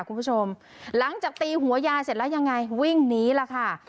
คุณผู้ชมหลังจากตีหัวยายเสร็จแล้วยังไงวิ่งหนีล่ะค่ะ